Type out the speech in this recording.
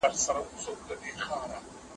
برتري یوازي په تقوا کي ده.